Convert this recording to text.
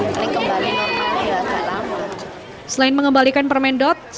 selain mengembalikan permen asal cina pemkot surabaya juga mencari permen asal cina